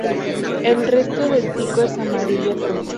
El resto del pico es amarillo fuerte.